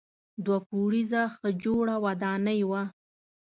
دوه پوړیزه ښه جوړه ودانۍ وه.